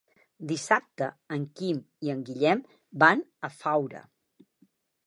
Dissabte en Quim i en Guillem van a Faura.